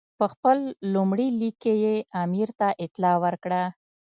په خپل لومړي لیک کې یې امیر ته اطلاع ورکړه.